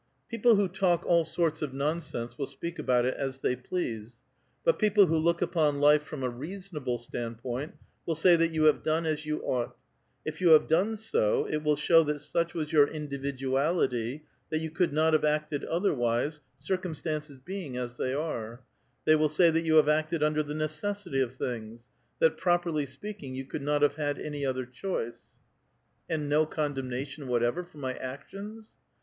" People who talk all sorts of nonsense will speak about it as they please ; but peoi)le who look upon life from a reason able standpoint will say that j'ou have done as 30U ought. If you have done so, it will show that such was j'our indi vidualitv, that vou could not have acted otherwise, circuni stances being as they are ; they will sa}' that you have acted under the necessity of things, that properly speaking 3'ou could not have had anv other choice." '^ And no condemnation whatever for my actions?